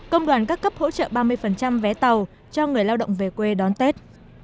công đoàn các cấp hỗ trợ ba mươi vé tàu cho người lao động về quê đón tết